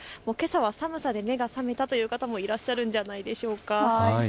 けさの寒さで目が覚めたという方もいらっしゃるんじゃないでしょうか。